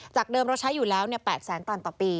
จากเดิมเราใช้อยู่แล้วเนี่ย๘๐๐๐๐๐ต่างปี